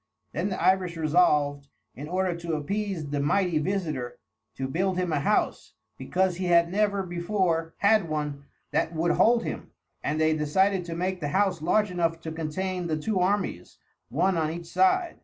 Then the Irish resolved, in order to appease the mighty visitor, to build him a house, because he had never before had one that would hold him; and they decided to make the house large enough to contain the two armies, one on each side.